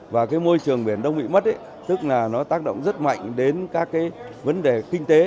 và cái môi trường biển đông bị mất tức là nó tác động rất mạnh đến các cái vấn đề kinh tế